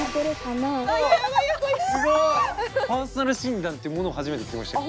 パーソナル診断っていうものを初めて聞きました。